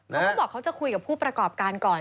เขาก็บอกเขาจะคุยกับผู้ประกอบการก่อน